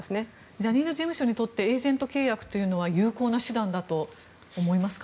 ジャニーズ事務所にとってエージェント契約は有効な手段だと思いますか？